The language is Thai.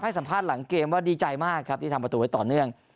สัมภาษณ์หลังเกมว่าดีใจมากครับที่ทำประตูไว้ต่อเนื่อง